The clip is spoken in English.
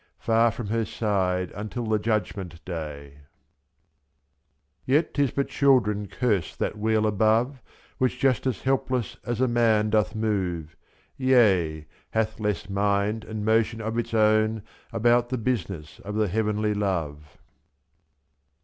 Far from her side until the Judgment Day^ 72, Yet, 'tis but children curse that wheel above. Which just as helpless as a man doth move, — /^s>' Yea! hath less mind and motion of its ow^n — About the business of the heavenly love.